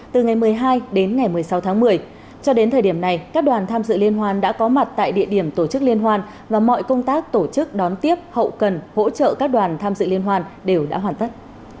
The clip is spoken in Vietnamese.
từ ngày một mươi hai đến ngày một mươi sáu tháng một mươi cho đến thời điểm này các đoàn tham dự liên hoan đã có mặt tại địa điểm tổ chức liên hoan và mọi công tác tổ chức đón tiếp hậu cần hỗ trợ các đoàn tham dự liên hoan đều đã hoàn tất